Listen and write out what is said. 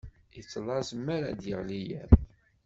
Yettlaẓ mi ara d-yeɣli yiḍ